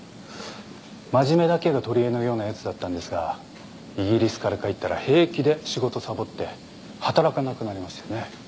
真面目だけが取りえのようなやつだったんですがイギリスから帰ったら平気で仕事サボって働かなくなりましてね。